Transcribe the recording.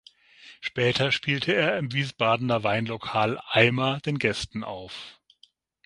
Später spielte er im Wiesbadener Weinlokal „Eimer“ den Gästen auf.